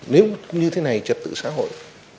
nếu như thế này trật tự xã hội